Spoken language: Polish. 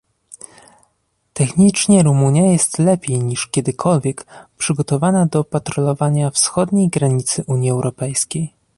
Technicznie Rumunia jest lepiej niż kiedykolwiek przygotowana do patrolowania wschodniej granicy Unii Europejskiej